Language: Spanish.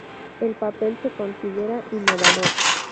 El papel se considera innovador.